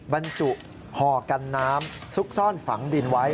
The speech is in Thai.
บรรจุห่อกันน้ำซุกซ่อนฝังดินไว้